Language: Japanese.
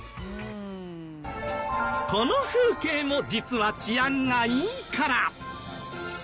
この風景も実は治安がいいから。